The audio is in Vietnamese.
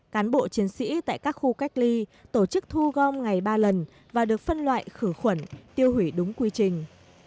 cán bộ chiến sĩ tại các khu cách ly tổ chức thu gom ngày ba lần và được phân loại khử khuẩn tiêu hủy đúng quy trình